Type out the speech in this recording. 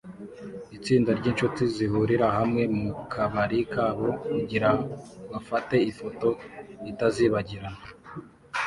Itsinda ryinshuti zihurira hamwe mukabari kabo kugirango bafate ifoto itazibagirana